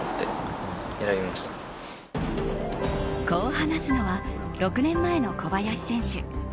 こう話すのは６年前の小林選手。